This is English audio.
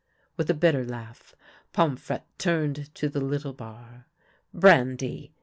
With a bitter laugh, Pomfrette turned to the little bar. " Brandv